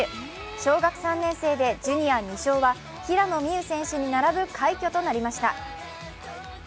小学３年生でジュニア２勝は平野美宇選手に並ぶ快挙となりました。